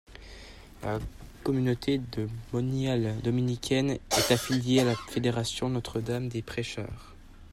La communauté de moniales dominicaines est affiliée à la Fédération Notre-Dame des Prêcheurs.